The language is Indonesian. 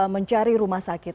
mencari rumah sakit